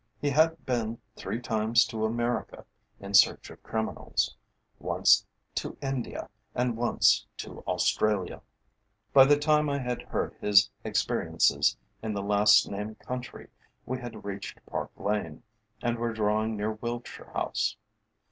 He had been three times to America in search of criminals, once to India, and once to Australia. By the time I had heard his experiences in the last named country we had reached Park Lane, and were drawing near Wiltshire House.